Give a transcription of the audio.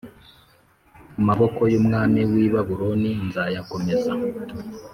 Amaboko y umwami w i Babuloni nzayakomeza